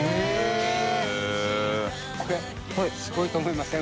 これすごいと思いません？